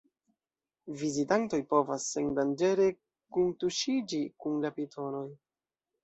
Vizitantoj povas sendanĝere kuntuŝiĝi kun la pitonoj.